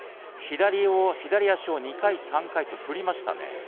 左足を２回３回と振りました。